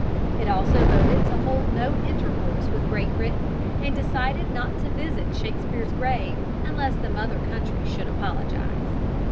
It also voted to hold no intercourse with Great Britain, and decided not to visit Shakespeare's grave unless the mother country should apologize.